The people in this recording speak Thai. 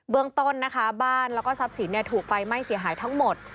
เรื่องต้นนะคะบ้านแล้วก็ทรัพย์สินถูกไฟไหม้เสียหายทั้งหมด